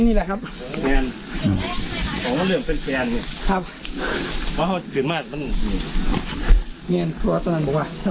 ตัวนี้แหละครับหอมต้นเรื่องเป็นแคนครับเขาจะเกิดมาตรภัณฑ์ผ่านกัน